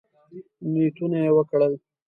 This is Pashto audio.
نیتونه یې وکړل.